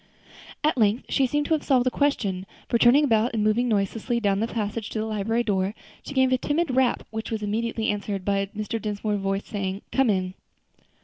At length she seemed to have solved the question; for turning about and moving noiselessly down the passage to the library door, she gave a timid little rap, which was immediately answered by Mr. Dinsmore's voice saying, "Come in."